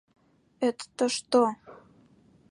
— Эт-то что?!